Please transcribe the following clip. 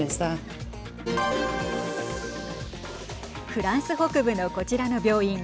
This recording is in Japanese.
フランス北部のこちらの病院。